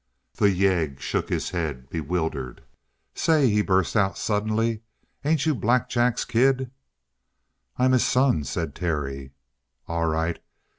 The yegg shook his head, bewildered. "Say," he burst out suddenly, "ain't you Black Jack's kid?" "I'm his son," said Terry. "All right.